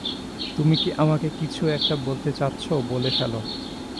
তুমি আমাকে কিছু একটা বলতে চাচ্ছ, বলে ফেল।